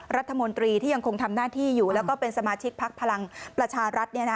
รัฐมนตรีที่ยังคงทำหน้าที่อยู่แล้วก็เป็นสมาชิกพักพลังประชารัฐ